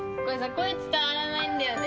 声、伝わらないんだよね。